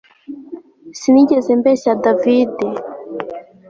Sinigeze mbeshya David